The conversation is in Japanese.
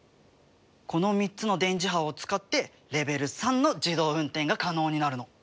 この３つの電磁波を使ってレベル３の自動運転が可能になるの。